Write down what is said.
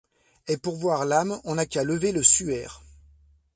Et pour voir l’âme on n’a qu’à lever le suaire.